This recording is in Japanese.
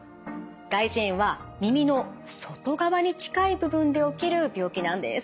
外耳炎は耳の外側に近い部分で起きる病気なんです。